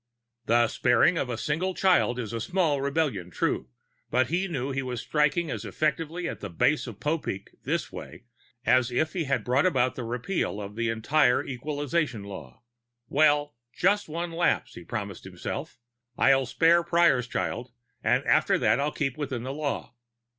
The sparing of a single child was a small rebellion, true, but he knew he was striking as effectively at the base of Popeek this way as if he had brought about repeal of the entire Equalization Law. Well, just one lapse, he promised himself. I'll spare Prior's child, and after that I'll keep within the law.